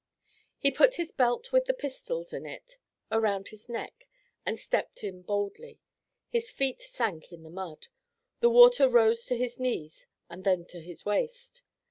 He put his belt with the pistols in it around his neck and stepped in boldly. His feet sank in the mud. The water rose to his knees and then to his waist.